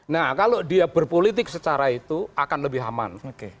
nah kalau dia berpolitik secara itu akan lebih aman